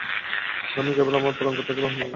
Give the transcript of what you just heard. আমি কেবল আমার পালনকর্তাকেই আহ্বান করি।